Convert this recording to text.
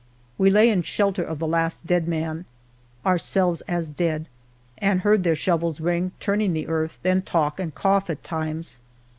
We lay in shelter of the laft dead man ^ Ourselves as dead^ and heard their shovels ring Turning the earth, then talk and cough at times.